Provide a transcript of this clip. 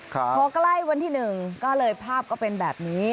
พอใกล้วันที่๑ก็เลยภาพก็เป็นแบบนี้